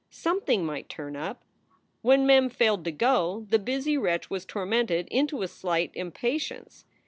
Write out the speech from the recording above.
Something might turn up. When Mem failed to go, the busy wretch was tormented into a slight impatience.